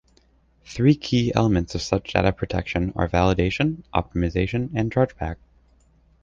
Three key elements of such data protection are Validation, Optimization and Chargeback.